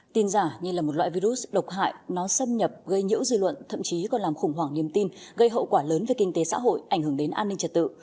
tin giả như là một loại virus độc hại nó xâm nhập gây nhiễu dư luận thậm chí còn làm khủng hoảng niềm tin gây hậu quả lớn về kinh tế xã hội ảnh hưởng đến an ninh trật tự